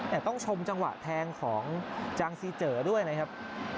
แต่ต้องชมจังหวะแทงของจางซีเจอด้วยนะครับ